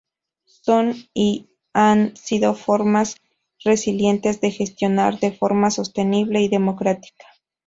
Son y han sido formas resilientes de gestionar, de forma sostenible y democrática